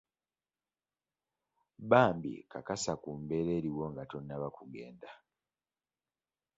Bambi kakasa ku mbeera eriwo nga tonnaba kugenda